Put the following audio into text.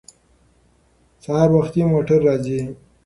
سهار وختي موټر راځي.